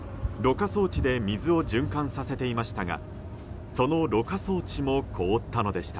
濾過装置で水を循環させていましたがその濾過装置も凍ったのでした。